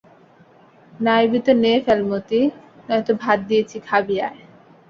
নাইবি তো নেয়ে ফ্যাল মতি, নয়তো ভাত দিয়েছি খাবি আয়।